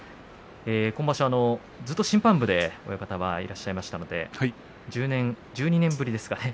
本場所はずっと審判部でいらっしゃいました１２年ぶりですかね。